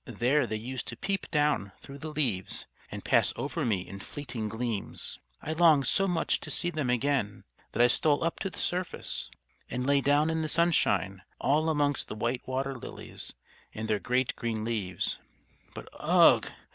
There they used to peep down through the leaves and pass over me in fleeting gleams. I longed so much to see them again that I stole up to the surface, and lay down in the sunshine all amongst the white water lilies and their great green leaves. But, ugh!